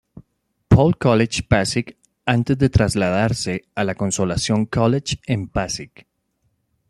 Paul College Pasig" antes de trasladarse a "La Consolación College" en Pasig.